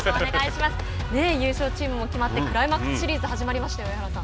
優勝チームも決まってクライマックスシリーズ始まりましたよ上原さん。